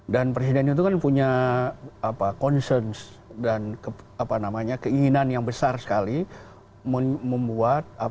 dan presiden itu kan punya apa concern dan apa namanya keinginan yang besar sekali membuat apa